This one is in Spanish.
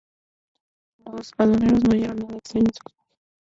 Los aduaneros no hallaron nada extraño en su equipaje.